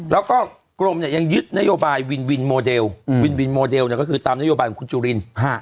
แล้วก็กรมเนี่ยยังยึดนโยบายวินวินโมเดลวินวินโมเดลก็คือตามนโยบายของคุณจุลิน